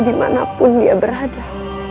dimanapun dia berada